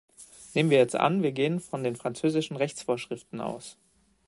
Nehmen wir jetzt an, wir gehen von den französischen Rechtsvorschriften aus.